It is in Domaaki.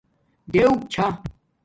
دیݸک چھݳ